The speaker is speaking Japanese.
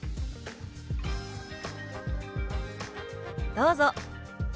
どうぞ。